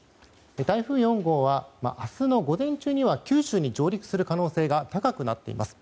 台風４号は明日の午前中には九州に上陸する可能性が高くなっています。